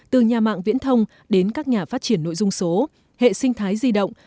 từ nhà mạng viễn thông đến các nhà phát triển nội dung số hệ sinh thái di động